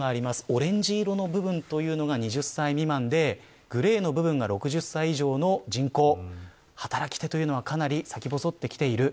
オレンジ色の部分が２０歳未満でグレーの部分が６０歳以上の人口働き手はかなり先細てきている。